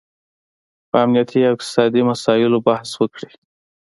په امنیتي او اقتصادي مساییلو بحث وکړي